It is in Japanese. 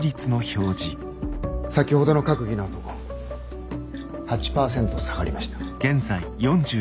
先ほどの閣議のあと８％下がりました。